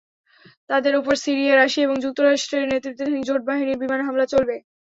তাদের ওপর Syria, Russia এবং যুক্তরাষ্ট্রের নেতৃত্বাধীন জোট বাহিনীর বিমান হামলা চলবে।